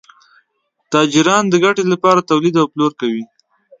تاجران د ګټې لپاره تولید او پلور کوي.